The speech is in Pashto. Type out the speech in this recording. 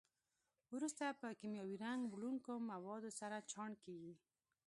وروسته په کیمیاوي رنګ وړونکو موادو سره چاڼ کېږي.